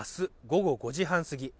午後５時半過ぎ